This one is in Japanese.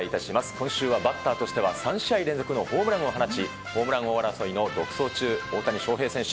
今週はバッターとしては３試合連続のホームランを放ち、ホームラン王争いの独走中、大谷翔平選手。